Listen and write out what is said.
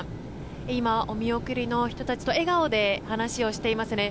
今、お見送りの人たちと笑顔で話をしていますね。